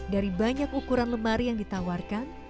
dari banyak ukuran lemari yang ditawarkan